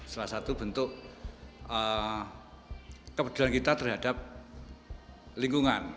salah satu bentuk kepedulian kita terhadap lingkungan